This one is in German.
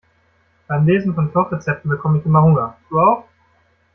Beim Lesen von Kochrezepten bekomme ich immer Hunger, du auch?